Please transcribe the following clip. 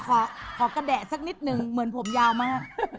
ขอกระแดะสักนิดนึงเหมือนผมยาวมาก